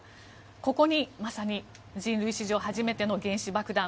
ここにまさに人類史上初めての原子爆弾